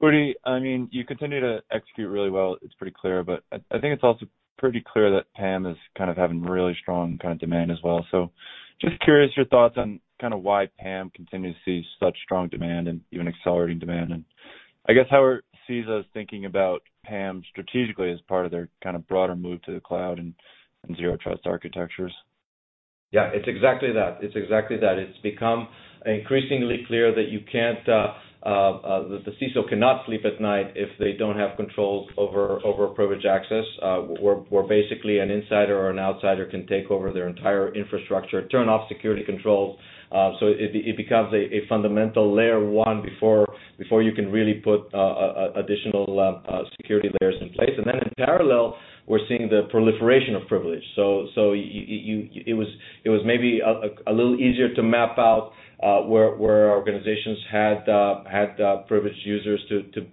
Udi, I mean, you continue to execute really well. It's pretty clear, but I think it's also pretty clear that PAM is kind of having really strong kind of demand as well. Just curious your thoughts on kind of why PAM continues to see such strong demand and even accelerating demand. I guess how it sees us thinking about PAM strategically as part of their kind of broader move to the Cloud and Zero Trust Architectures. Yeah, it's exactly that. It's become increasingly clear that the CISO cannot sleep at night if they don't have controls over privileged access, where basically an insider or an outsider can take over their entire infrastructure, turn off security controls. It becomes a fundamental layer one before you can really put additional security layers in place. Then in parallel, we're seeing the proliferation of privilege. It was maybe a little easier to map out where organizations had privileged users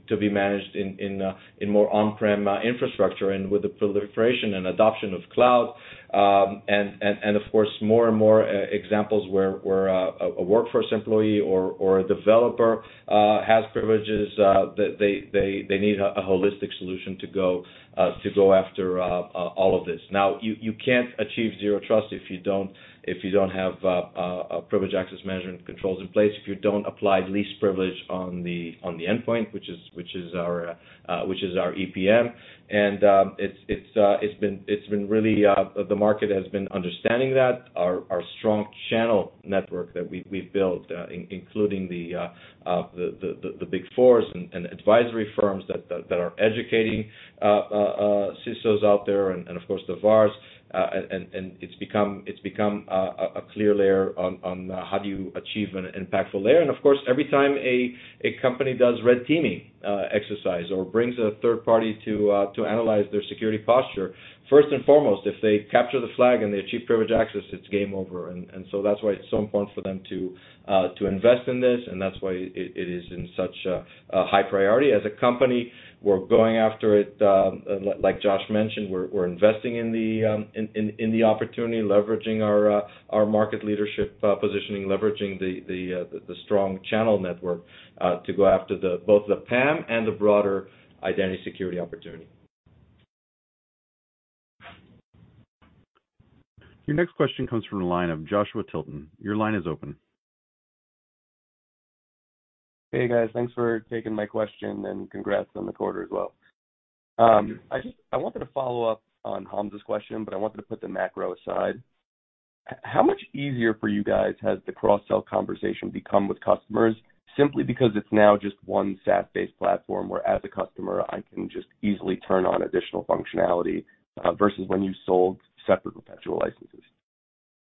to be managed in more on-prem infrastructure and with the proliferation and adoption of Cloud. Of course, more and more examples where a workforce employee or a developer has privileges that they need a holistic solution to go after all of this. You can't achieve Zero Trust if you don't have privileged access management controls in place, if you don't apply least privilege on the endpoint, which is our EPM. It's been really. The market has been understanding that. Our strong channel network that we've built, including the Big Four and advisory firms that are educating CISOs out there, and of course, the VARs. It's become a clear layer on how do you achieve an impactful layer. Of course, every time a company does red teaming exercise or brings a third party to analyze their security posture, first and foremost, if they capture the flag and they achieve privileged access, it's game over. That's why it's so important for them to invest in this, and that's why it is in such a high priority. As a company, we're going after it. Like Josh mentioned, we're investing in the opportunity, leveraging our market leadership positioning, leveraging the strong channel network to go after both the PAM and the broader identity security opportunity. Your next question comes from the line of Joshua Tilton. Your line is open. Hey, guys. Thanks for taking my question, and congrats on the quarter as well. I wanted to follow up on Hamza's question, but I wanted to put the macro aside. How much easier for you guys has the cross-sell conversation become with customers simply because it's now just one SaaS-based platform where, as a customer, I can just easily turn on additional functionality versus when you sold separate perpetual licenses?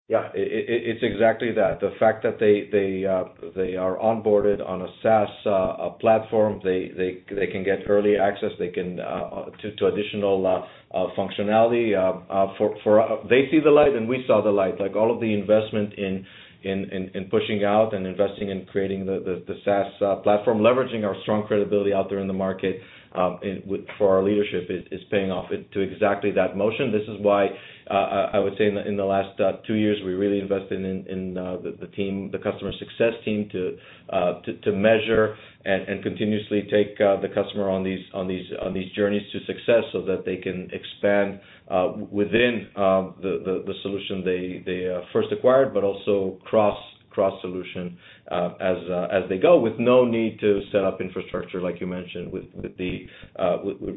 Yeah. It's exactly that. The fact that they are onboarded on a SaaS platform, they can get early access to additional functionality. They see the light, and we saw the light. Like, all of the investment in pushing out and investing in creating the SaaS platform, leveraging our strong credibility out there in the market for our leadership is paying off to exactly that motion. This is why I would say in the last two years, we really invested in the team, the customer success team to measure and continuously take the customer on these journeys to success so that they can expand within the solution they first acquired but also cross-solution as they go with no need to set up infrastructure like you mentioned with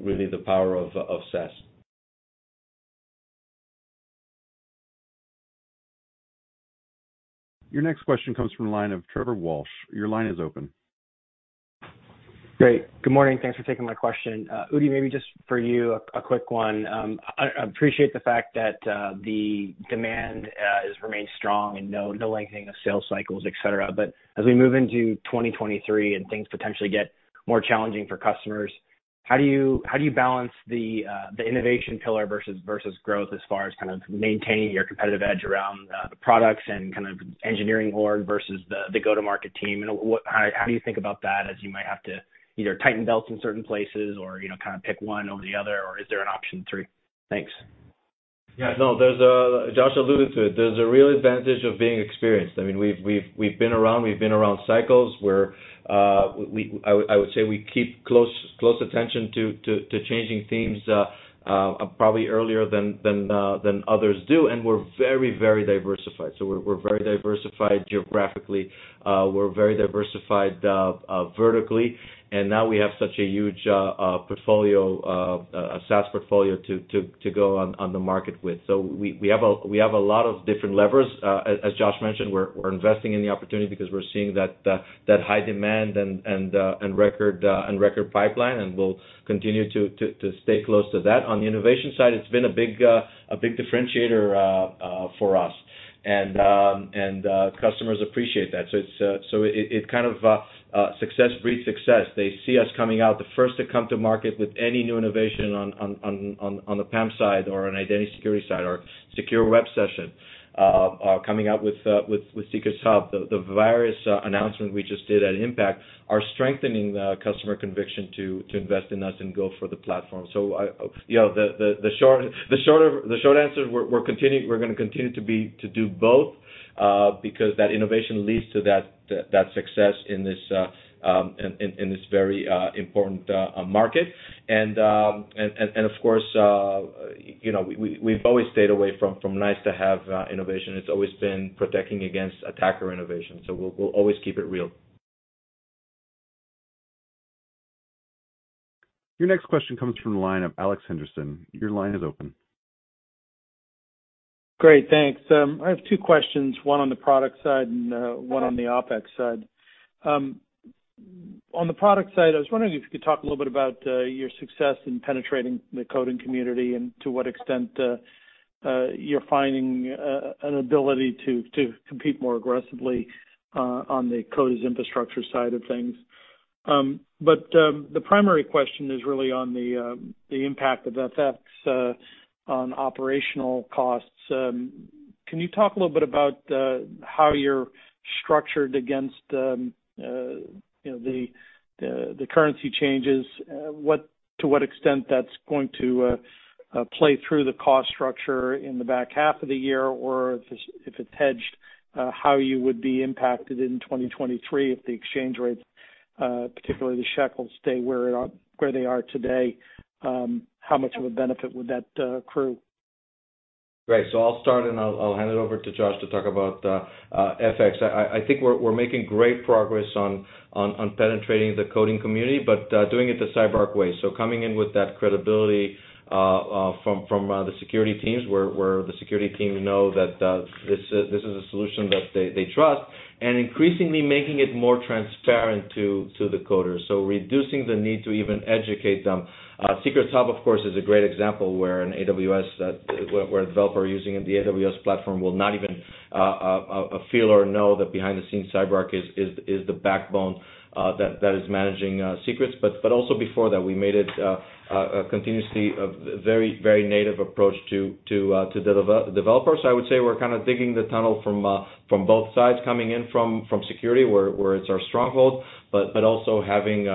really the power of SaaS. Your next question comes from the line of Trevor Walsh. Your line is open. Great. Good morning. Thanks for taking my question. Udi, maybe just for you, a quick one. I appreciate the fact that the demand has remained strong and no lengthening of sales cycles, et cetera. But as we move into 2023 and things potentially get more challenging for customers, how do you balance the innovation pillar versus growth as far as kind of maintaining your competitive edge around the products and kind of engineering org versus the go-to-market team? And how do you think about that as you might have to either tighten belts in certain places or, you know, kinda pick one over the other, or is there an option three? Thanks. Josh alluded to it. There's a real advantage of being experienced. I mean, we've been around cycles where I would say we keep close attention to changing themes probably earlier than others do, and we're very diversified. We're very diversified geographically. We're very diversified vertically. Now we have such a huge portfolio, a SaaS portfolio to go on the market with. We have a lot of different levers. As Josh mentioned, we're investing in the opportunity because we're seeing that high demand and record pipeline, and we'll continue to stay close to that. On the innovation side, it's been a big differentiator for us. Customers appreciate that. Success breeds success. They see us coming out the first to come to market with any new innovation on the PAM side or on identity security side or Secure Web Sessions, coming out with Secrets Hub. The various announcement we just did at IMPACT are strengthening the customer conviction to invest in us and go for the platform. You know, the short answer, we're gonna continue to do both because that innovation leads to that success in this very important market. Of course, you know, we've always stayed away from nice to have innovation. It's always been protecting against attacker innovation. We'll always keep it real. Your next question comes from the line of Alex Henderson. Your line is open. Great. Thanks. I have two questions, one on the product side and one on the OpEx side. On the product side, I was wondering if you could talk a little bit about your success in penetrating the coding community and to what extent you're finding an ability to compete more aggressively on the coders infrastructure side of things. The primary question is really on the impact of FX on operational costs. Can you talk a little bit about how you're structured against you know the currency changes? To what extent that's going to play through the cost structure in the back half of the year or if it's, if it's hedged, how you would be impacted in 2023 if the exchange rates, particularly the shekel, stay where they are today? How much of a benefit would that accrue? Great. I'll start, and I'll hand it over to Josh to talk about FX. I think we're making great progress on penetrating the coding community, but doing it the CyberArk way. Coming in with that credibility from the security teams, where the security team know that this is a solution that they trust, and increasingly making it more transparent to the coders, so reducing the need to even educate them. Secrets Hub, of course, is a great example where a developer using the AWS platform will not even feel or know that behind the scenes CyberArk is the backbone that is managing secrets. Also before that, we made it continuously a very native approach to developers. I would say we're kinda digging the tunnel from both sides, coming in from security, where it's our stronghold, but also having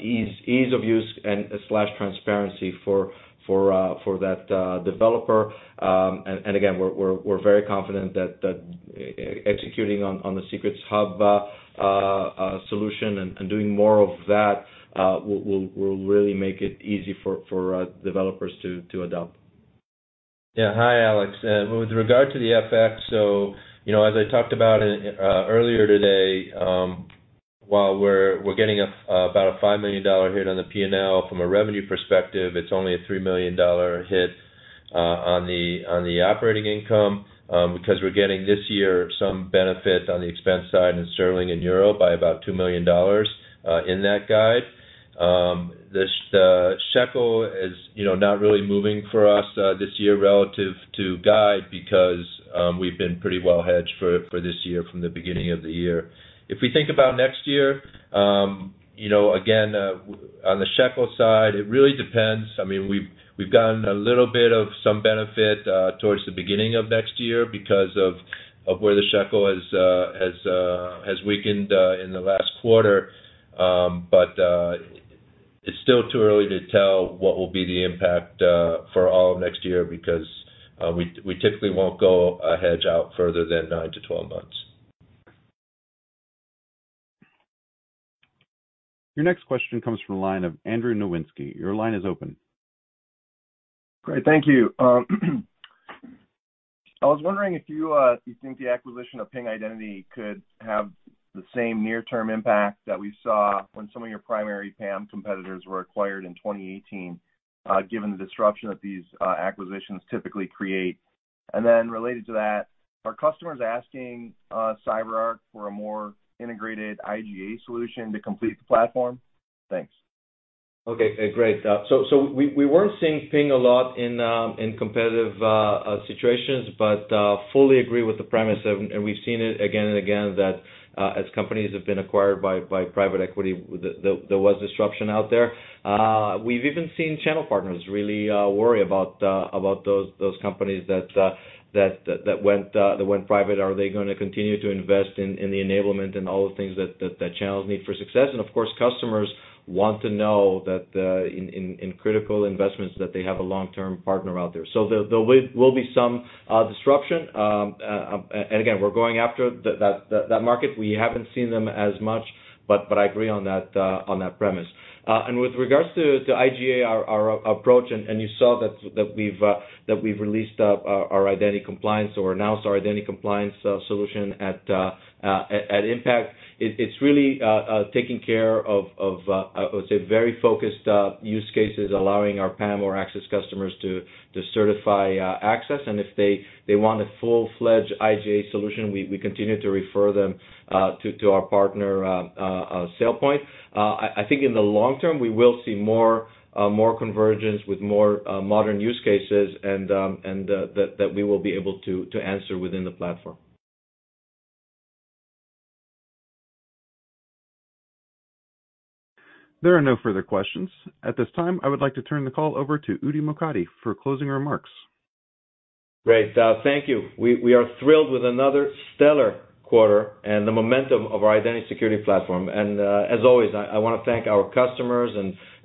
ease of use and slash transparency for that developer. Again, we're very confident that executing on the Secrets Hub solution and doing more of that will really make it easy for developers to adopt. Yeah. Hi, Alex. With regard to the FX, you know, as I talked about it earlier today, while we're getting about a $5 million hit on the P&L, from a revenue perspective, it's only a $3 million hit on the operating income, because we're getting this year some benefit on the expense side in sterling and euro by about $2 million in that guide. The shekel is, you know, not really moving for us this year relative to guide because we've been pretty well hedged for this year from the beginning of the year. If we think about next year, you know, again, on the shekel side, it really depends. I mean, we've gotten a little bit of some benefit towards the beginning of next year because of where the shekel has weakened in the last quarter. It's still too early to tell what will be the impact for all of next year because we typically won't go out a hedge further than nine to 12 months. Your next question comes from the line of Andrew Nowinski. Your line is open. Great. Thank you. I was wondering if you think the acquisition of Ping Identity could have the same near-term impact that we saw when some of your primary PAM competitors were acquired in 2018, given the disruption that these acquisitions typically create. Related to that, are customers asking CyberArk for a more integrated IGA solution to complete the platform? Thanks. Okay. Great. We weren't seeing Ping a lot in competitive situations, but fully agree with the premise of, and we've seen it again and again that as companies have been acquired by private equity, there was disruption out there. We've even seen channel partners really worry about those companies that went private. Are they gonna continue to invest in the enablement and all the things that channels need for success? Of course, customers want to know that in critical investments they have a long-term partner out there. There will be some disruption. Again, we're going after that market. We haven't seen them as much, but I agree on that premise. With regards to IGA, our approach and you saw that we've released our Identity Compliance or announced our Identity Compliance solution at IMPACT. It's really taking care of I would say very focused use cases allowing our PAM or access customers to certify access. If they want a full-fledged IGA solution, we continue to refer them to our partner SailPoint. I think in the long term, we will see more convergence with more modern use cases and that we will be able to answer within the platform. There are no further questions. At this time, I would like to turn the call over to Udi Mokady for closing remarks. Great. Thank you. We are thrilled with another stellar quarter and the momentum of our identity security platform. As always, I wanna thank our customers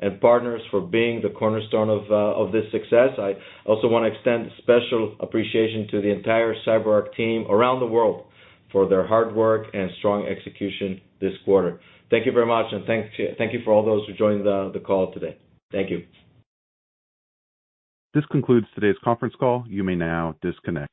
and partners for being the cornerstone of this success. I also wanna extend special appreciation to the entire CyberArk team around the world for their hard work and strong execution this quarter. Thank you very much, and thank you for all those who joined the call today. Thank you. This concludes today's conference call. You may now disconnect.